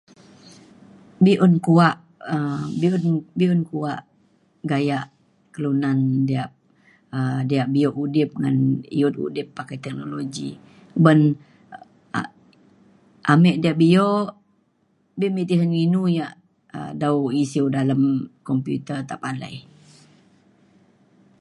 be'un kuak um be'un be'un kuak gayak kelunan diak um diak bio' udip ngan ei'ut udip pakai teknologi ban a- amik diak bio' be' mik tisen inu ya' um dau isiu dalem komputer ta palai